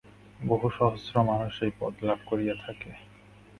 বহু সহস্র মানুষ সেই পদ লাভ করিয়া থাকে।